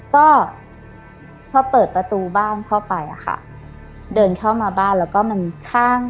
ก็พอเปิดประตูบ้านเข้าไปอะค่ะเดินเข้ามาบ้านแล้วก็มันข้าง